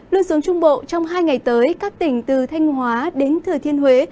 lưu xuống trung bộ trong hai ngày tới các tỉnh từ thanh hóa đến thừa thiên huế